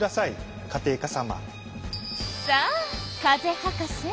さあ風博士